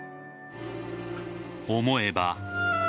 思えば。